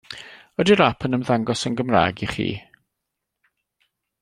Ydy'r ap yn ymddangos yn Gymraeg i chi?